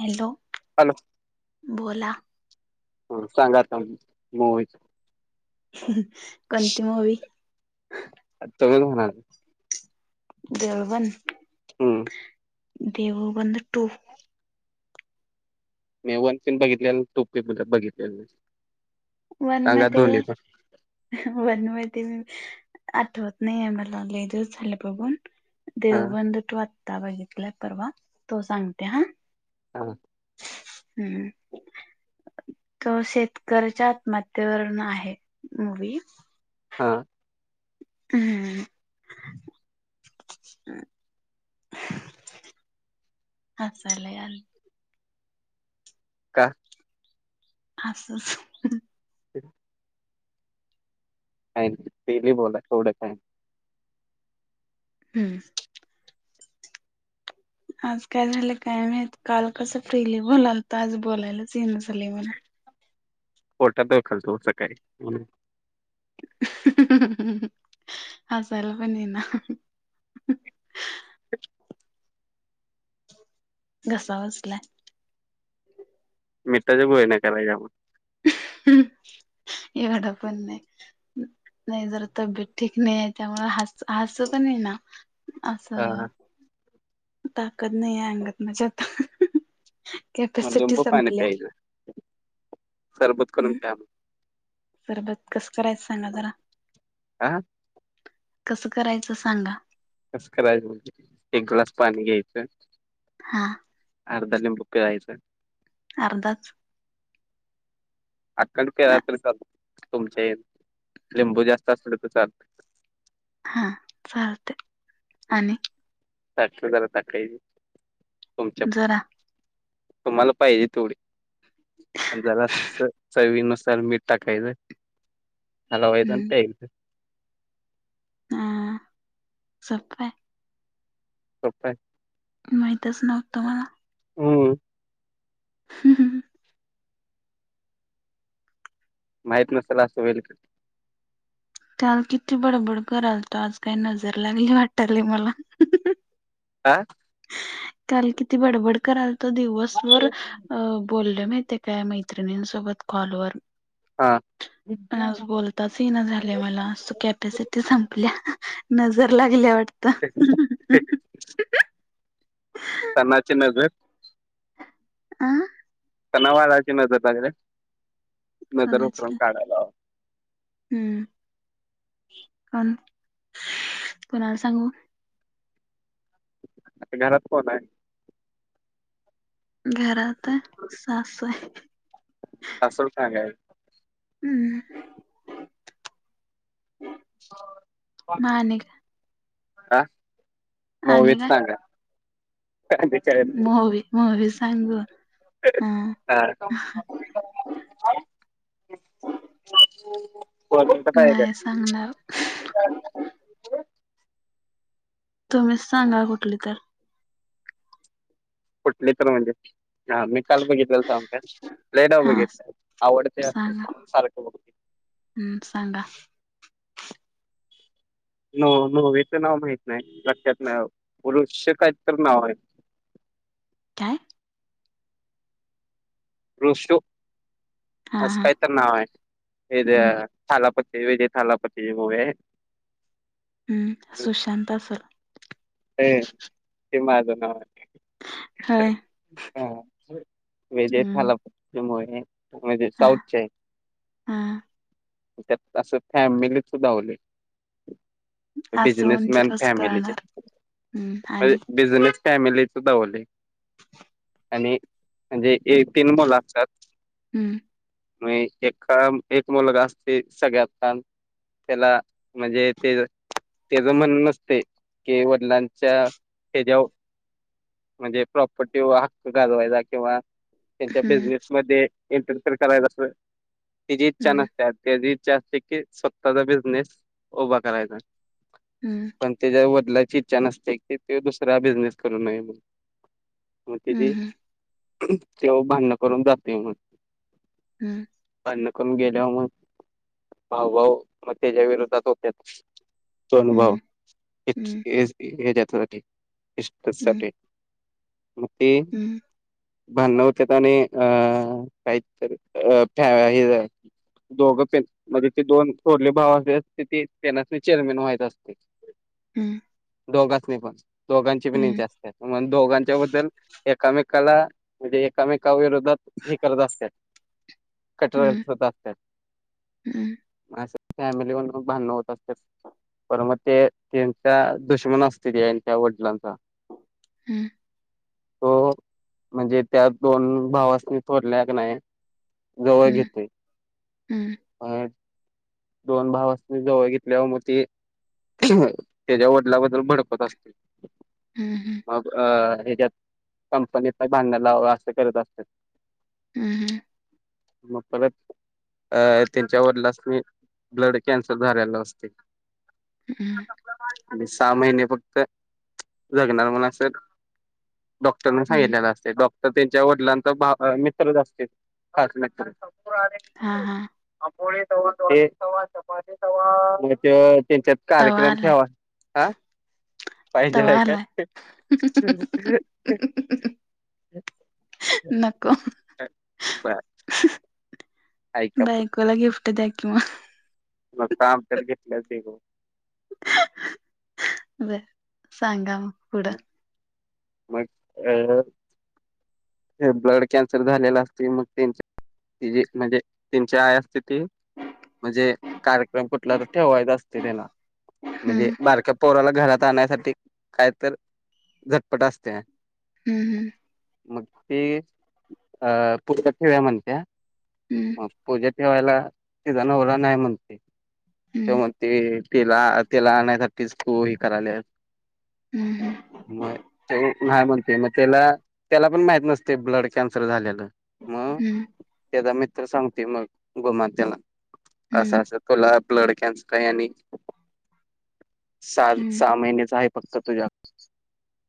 Hello! Hello! बोला सांगा आता मूवीच ह्.. ह्.. कोणती मूवी? तुम्ही म्हणाल देवगण हम्म्म् देऊळ बंद टू मी वन बघितल नाही, टू बी बघितले नाही. वन मध्ये - वन मध्ये आठवत नाही आहे मला लय दिवस झालं बघून. हा देऊळ बंद टू आता बघितलंय परवा, तो सांगते हा हा हम्म तो शेतकऱच्या आत्महत्येवरून आहे मूवी हा हम्म हसायला यायल. का? असच हठी [unintelligible] काय तेे नाही बोला एवढं काय? हम्म आज काय झालं काय माहित, काल कसं फ्रीली बोलालत, आज बोलायला इना झाल मला पोटात दुखालतं ओ सकाळी म्हणून हसायला पण इना. [unintelligible] घसा बसलाय. मिठाच्या गुळण्या करायच्या मग. [unintelligible] एवढं पण नाही. नाही जरा तब्येत ठीक नाही आहे, त्यामुळं हस- हसू पण इना. असं, हा ताकद नाही आहे अंगात माझ्या आता. मग कॅपॅसिटी लिंबू पाणी संपल्या प्यायचं, सरबत करून हम्म प्या मग. सरबत कस करायचं सांगा जरा? आं. कसं करायचं सांगा? कस करायचं, एक ग्लास पाणी घ्यायचं. हा. अर्धा लिंबू पिळायचा. [unintelligible] अर्धाच. आकं पिळला तरी चालतंय तुमचे, लिंबू जास्त असला तर चालतंय. हा, चालतंय. हम्म, साखर जरा टाकायची, तुमच्या जरा तुम्हाला पाहिजे तेवढी. आणि जरासं चवीनुसार मीठ टाकायचं, हलवायचं आणि हम्म प्यायचं. हा हा, सोप आहे. सोप आहे. माहितच नव्हतं मला. हम्म. ह ह,, माहित नसल असं होईल काय. काल किती बडबड करालतो, आज काय नजर लागली वाटलंय मला. काय? काल किती बडबड करालतो दिवसभर अ, बोललोय माहिती आहे? त्या मैत्रिणींसोबत कॉलवर हा. आणि आज बोलताच येईना झालंय मला, असं कपॅसि टी संपल्या, नजर लागल्या वाटतं. ते कसं? कीणाची नजर? आं. सनावाराची नजर लागल्या, नजर कोणाची उतरून काढायला लावा. हम्म. कोण कुणाला सांगू. आता घरात कोण आहे. घरात सासू हाय- सासूला सांगायचं- हम्म. मग आणि काय? का मुव्ही सांगा. काय काय मुव्ही मुव्ही सांगू- हा हा. हो काय आहे काय- [unintelligible] तुम्हीच सांगा कुठली तर- कुठली तर म्हणजे हा मी काल बघितलेलं सांगू काय? लयदा हा बघितले आवडते सांगा सारखं बघ- हम्म सांगा- मुवीचं नाव माहित नाही लक्षात ना पुरुष काही तर नाव आहे- काय? ऋष हा अस हा काय तरी नाव आहे. हम्म थालापती विजय थालापतीची मुव्ही- हम् सुशांत सर- अ ते माज नाव आहे. होय विजय हम्म थालापतीची मुव्ही- म्हणजे साऊथचे- हां त्यात असं फॅमिलीत सुद्धा दावली- असं म्हणजे बिजनेसमॅन कसं फॅमिली- कळणार हम्म म्हण आणि बिझनेस फॅमिली डावले- आणि म्हणजे एक तीन मुलं असतात. हम्- एक मुलगा असत्या सगळ्यात लहान- त्याला म्हणजे ते त्याच म्हण नसते की- वडिलांचा ह्याच्यावर म्हणजे प्रॉपर्टीवर हक्क गाजवायचा किंवा त्यांच्या हम्म बिझनेस मध्ये एंटर फेयर करायच अस त्याची इच्छा हम्म नसते- त्याची इच्छा असते की स्वतःचा बिझनेस उभा करायचा. हम्म पण त्याच्या वडलाची इच्छा नसते की ते दुसरा बिझनेस करू नये म्हणून- मग त्याची हम्म तेव भांडण करून जाते म्हण- हम्- भांडण करून गेल्यावर मग भाऊभाऊ मग त्याच्या विरोधात होत्यात- दोन भाऊ हम्म हम्म इस्टेट हम्म साठी- एक- हम्म भांडण होतात आणि काहितरी हिच- दोघं पेन म्हणजे दोन थोरले भाव अस तिथे त्यानासनी चेअरमेन व्हायत असते. हम्- दोघांच पण दोघांची पण इच्छा असते मग दोघांच्या बद्दल एकामेकाला- म्हणजे एकामेकाविरोधात हे करत असतात. कटर हम्म हम्म हेल्फर असत्यात असं फॅमिलीमध्ये भांडण होत असत्यात, पर मग ते तेन त्या दुशमन असतीत हेंच्या वडिलांचा हम् तो, म्हणजे त्या दोन भावासनी थोरल्या कनाय जवळ घेत हम्म नाही मग दोन भावासनी जवळ घेतल्यावर म ते त्येज्या वडलाबद्दल भडकवत असत्यात. हम हम मग हेज्यात कंपनीत भाडणं लाव असं करत असत्यात हम् हम मग परत अ, त्येच्या वडलासणी, ब्लड कॅन्सर झालेला असतय हमं. आणि सहा महिने फक्त, जगणार म्हण असं डॉक्टरने हम्म सांगितलेलं असतय, डॉक्टर त्येच्या वडिलांचा भा मित्रच असतेत [unintelligible] हा हा. ते म ते त्येच्यात तवा कार्यक्रम आलाय ठेवा, हा पाहिजेल तवा हाय काय? आलाय नको. [unintelligible] बायकोला गिफ्ट द्या की मग नुसता आमच्यात घेतले ते बघ बर सांगा म पुढं मग अ ब्लड कॅन्सर झालेला असतय, मग ते तिजी म्हणजे त्येनची आई असते ती म्हणजे कार्यक्रम कुठला तर ठेवायचा असतय त्येला म्हणजे हम्म बारका पोराला घरात आणण्यासाठी काय तर, झटपट असतीया हम् हम्. मग ती अ [unintelligible] ठेव्या म्हणत्या हम्म मग पूजा ठेवायला तिजा नवरा नाही म्हणतोय ते हम्म मग ते तिला, तेला आणण्यासाठीच तू हे कराल्यास हम्म म ते नाही म्हणत ते मग त्येला, त्याला पण माहीत नसतय ब्लड कॅन्सर झालेलं हम्म. त्येजा मित्र सांगतोय मग गोमाणं त्येला असं हम्म असं तुला ब्लड कॅन्सर काय आणि सा, हम्म सहा महिनेच आहेत फक्त तुझ्या,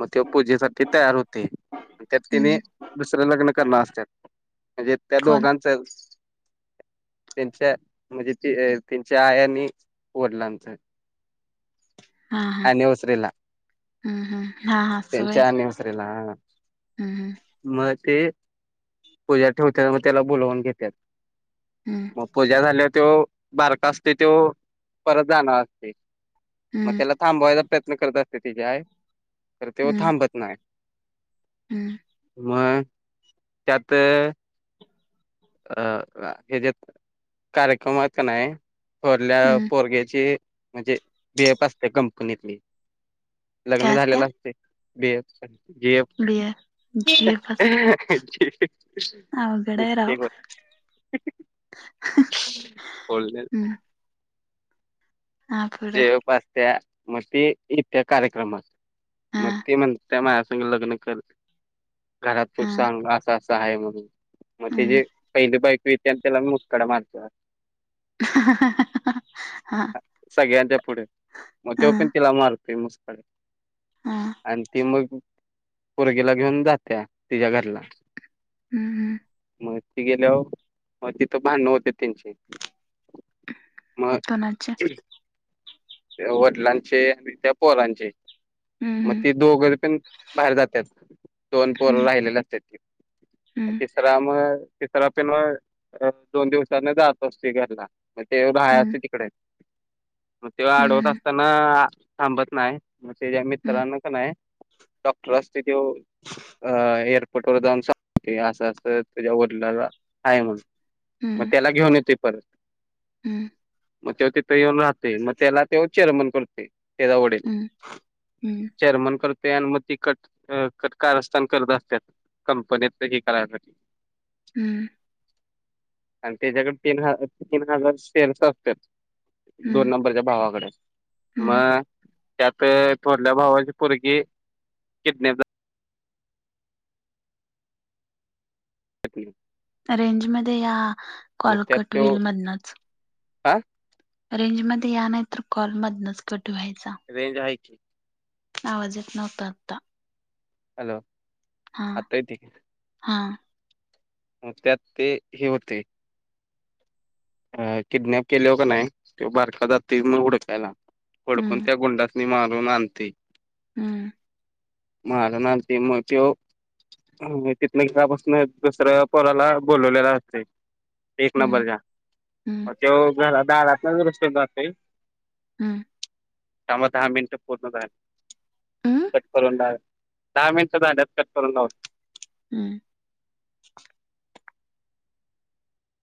मग त्यो पूजेसाठी तयार होतोय त्यात तिनी हम्म दु दुसरं लग्न करणार असत्यात म्हणजे त्या कोण दोघांचचं त्यांच्या म्हणजे ती त्येची आया आणि वडलानचं हा हा अन्वसरीला हम्म, हम्म हा आसं व्हयं हम्म, हम्म. म ते पूजा ठेवत्यात म त्येला बोलावून घेत्यात हम्म हम्म म पूजा झाल्या त्यो, बारका असतय त्यो परत जाणार असतय मग हम्म त्येला थांबवायचा प्रयत्न करत असत्या तेजी आय तर त्यो थांबत नाय. ह.. मग त्यात अ हेज्यात कार्यक्रमात का नाही थोरल्या हम्म पोरग्याची म्हणजे बीएफ असत्या कंपनीतली लग्न काय असत्या झालेलं असतंय. बीएफ चं, जीएफ बिअर झेप असते चं अवघड हाय र ते बोल, बोल्यल हम्म हा पुढं जीएफ असत्या म ती इत्या कार्यक्रमात, हा मग ती म्हणत्या माझ्या संगं लग्न कर घरात हा तूच सांग असं -असं आहे म्हणून. मग हम्म तेजी पहिली बायको येत्या आणि त्याला मुस्काड मारत्या वाटतं. [unintelligible] हा. सगळ्यांच्या पुढं मग हा त्यो पण तिला मारतोय मुस्कडीत. हा आणि ती मग पुरगीला घेऊन जात्या तिजा घरला. हा.. हा.. मग ती गेल्यावर मग तिथं भांडणं होत्यात त्यांची. मग कोणाचे त्या वडिलांचे आणि त्या पोरांचे हं.. हं.. त दोघं पण बाहेर जात्यात दोन पोरं हम्म राहिलेली असत्यात ती मग हम्म ति तिसरा मग, म तिसरा पिनवा दोन दिवसानं जात असतोय घरला मग त्यो राहया हम्म असतोय तिकडं. मग त्यो आडवत हम्म असताना थांबत नाय, मग त्याच्या हम्म मित्रांनं क नाय डॉक्टर असतोय त्यो. अ एअरपोर्ट वर जाऊन सांगतोय, असं -असं तुझ्या वडिलाला आहे म्हणून. मग हम्म त्याला घेऊन येतोय परत, हम्म मग त्यो ति थं येऊन राहतोय, मग त्याला त्यो चेअरमन करतोय तेजा वडील हम्म हम्म चेअरमन करतोय तय आन मग ती कट कटकारस्थान करत असत्यात. कंपनीतनं हे करायसाठी हं... आणि त्यजाकडं तीन हजार शेअर्स असत्यात, दोन हम्म नंबरच्या भावाकडं. हम्म मग त्यात थोरल्या भावाची पुरगी किडन्याप झा ली रेंजमध्ये या, मग कॉल त्यात कट तो होईल मधनंच. हा रेंजमध्ये या नाही तर, कॉल मधनंच कट व्हायचा. रेंज आहे की आवाज येत नव्हता आत्ता. हॅलो! आता येतोय काय? हा. मग त्यात ते हे हुतंय. अ किडनॅप केल्यावर का नाही, त्यो बारका जातोय मग हुडकायला, हुडकून हम्म त्या गुंडा स्नी मारून आणतंय.. ह.. मारून आणतोय मग त्यो मग तिथनं घरापासनं दुसऱ्या पोराला बोलवलेलं असतंय एक हम्म नंबरच्या. हम्म मग तो घरा दारातनंच रस्ता जातंय. हा... थांबा दहा मिनिटात पोचत आहे. हम्म. ते फलंदाज दहा मिनिटं झाले. [unintelligible] हम्म.